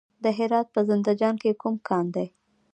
د هرات په زنده جان کې کوم کان دی؟